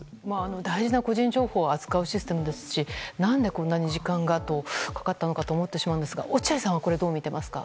大事な個人情報を扱うシステムですし何でこんなに時間がかかったのかと思ってしまうんですが落合さんはどう見ていますか？